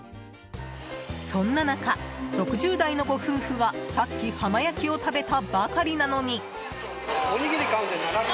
そんな中、６０代のご夫婦はさっき浜焼きを食べたばかりなのに。